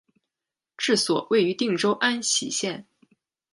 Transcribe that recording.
治所位于定州安喜县。